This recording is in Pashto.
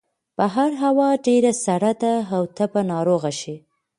بهر هوا ډېره سړه ده او ته به ناروغه شې.